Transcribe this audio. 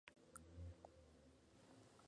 Fue reconocido con el premio Stalin.